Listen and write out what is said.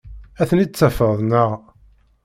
Ad ten-id-tafeḍ, naɣ?